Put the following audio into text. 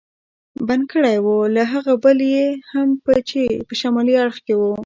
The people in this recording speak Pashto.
بند کړی و، له هغه بل یې هم چې په شمالي اړخ کې و.